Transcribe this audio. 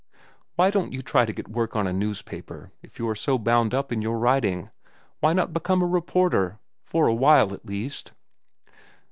Why don't you try to get work on a newspaper, if you are so bound up in your writing? Why not become a reporter?—for a while, at least?"